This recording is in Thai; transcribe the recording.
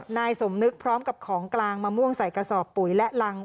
นายสมนึกพร้อมกับของกลางมะม่วงใส่กระสอบปุ๋ยและรัง